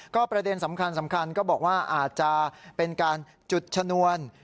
ประเด็นสำคัญก็บอกว่าอาจจะเป็นการจุดชนวน